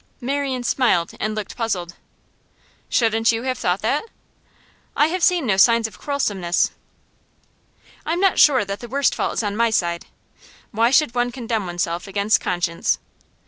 Marian smiled and looked puzzled. 'Shouldn't you have thought that?' 'I have seen no signs of quarrelsomeness.' 'I'm not sure that the worst fault is on my side. Why should one condemn oneself against conscience?